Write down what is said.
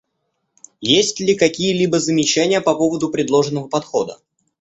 Есть ли какие-либо замечания по поводу предложенного подхода?